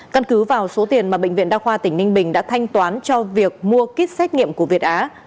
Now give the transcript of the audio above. căn cứ vào số tiền mà bệnh viện đa khoa tỉnh ninh bình đã thanh toán cho việc mua kit xét nghiệm của việt á